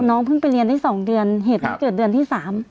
น้องเพิ่งไปเรียนได้๒เดือนเหตุมันเกิดเดือนที่๓